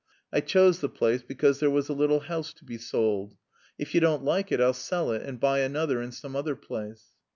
I chose the place because there was a little house to be sold. If you don't like it I'll sell it and buy another in some other place.